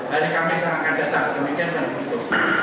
hari kami sarankan dan demikian dan begitu